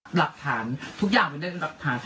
กิจบทแล้วทุกอย่างภูมิถึงดรับผ่าน